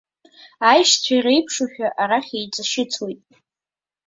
Аишьцәа иреиԥшушәа, арахь, еиҵашьыцуеит.